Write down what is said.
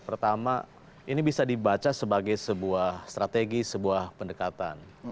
pertama ini bisa dibaca sebagai sebuah strategi sebuah pendekatan